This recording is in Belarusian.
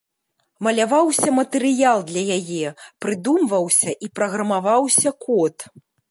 Маляваўся матэрыял для яе, прыдумваўся і праграмаваўся код.